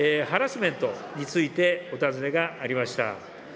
ハラスメントについてお尋ねがありました。